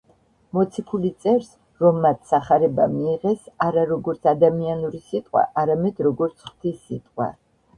მოციქული წერს, რომ მათ სახარება მიიღეს არა როგორც ადამიანური სიტყვა, არამედ როგორც ღვთის სიტყვა.